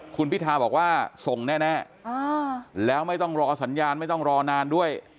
คุณพิทาบอกว่าส่งแน่แล้วไม่ต้องรอสัญญาณไม่ต้องรอนานด้วย